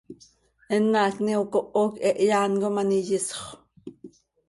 Eenm haacni ocoho quih hehe án com an iyisxö.